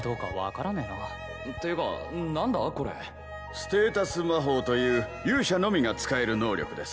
ステータス魔法という勇者のみが使える能力です。